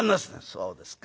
『そうですか。